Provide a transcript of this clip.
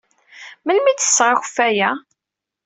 Melmi ay d-tesɣa akeffay-a?